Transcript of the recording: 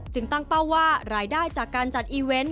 ตั้งเป้าว่ารายได้จากการจัดอีเวนต์